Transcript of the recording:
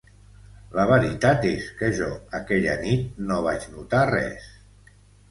La veritat és que jo aquella nit no vaig notar res.